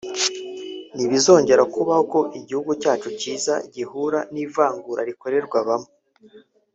ntibizongera kubaho ko igihugu cyacu cyiza gihura n’ivangura rikorerwa bamwe